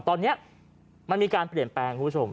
ตอนนี้มันมีการเปลี่ยนแปลงคุณผู้ชม